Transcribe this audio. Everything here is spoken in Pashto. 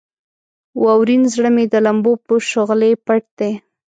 واورین زړه مې د لمبو په شغلې پټ دی.